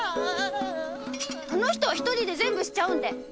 あの人は一人で全部しちゃうんで！